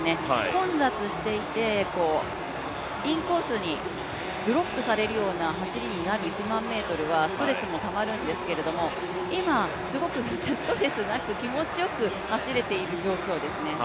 混雑していてインコースにブロックされるような走りになる１００００ｍはストレスもたまるんですけど今、すごくストレスなく気持ちよく走れている状況ですね。